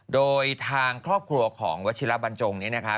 โดยทางครอบครัวของวัชิระบรรจงนี้นะคะ